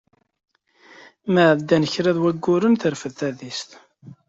Mi ɛeddan kraḍ waguren terfed tadist.